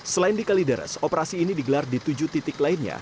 selain di kalideres operasi ini digelar di tujuh titik lainnya